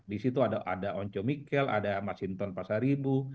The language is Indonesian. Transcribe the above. di situ ada onco mikel ada mas hinton pasaribu